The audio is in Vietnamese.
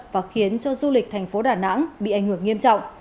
và khiến cho du lịch thành phố đà nẵng bị ảnh hưởng nghiêm trọng